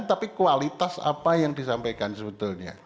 tapi kualitas apa yang disampaikan sebetulnya